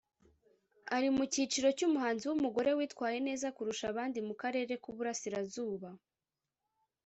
Ari mu cyiciro cy’umuhanzi w’umugore witwaye neza kurusha abandi mu Karere k’Uburasirazuba